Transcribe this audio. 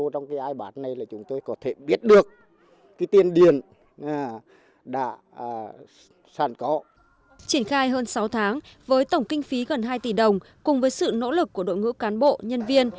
triển khai hơn sáu tháng với tổng kinh phí gần hai tỷ đồng cùng với sự nỗ lực của đội ngũ cán bộ nhân viên